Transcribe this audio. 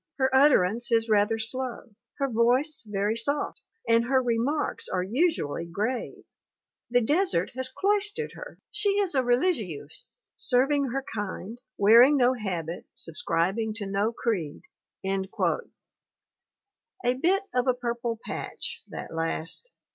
Her utterance is rather slow, her voice very soft, and her remarks are usually grave. ... The desert has cloistered her; she is a religieuse, serving her kind, wearing no habit, subscribing to no creed." A bit of a purple patch, that last!